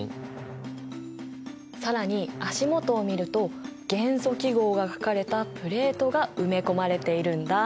更に足元を見ると元素記号が書かれたプレートが埋め込まれているんだ。